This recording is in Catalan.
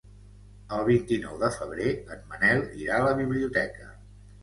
El vint-i-nou de febrer en Manel irà a la biblioteca.